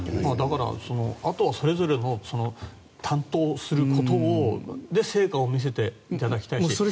だから、あとはそれぞれの担当することで成果を見せていただきたい。